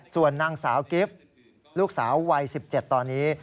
ส่วนนางสาวกิฟต์ลูกสาววัย๑๗ตอนนี้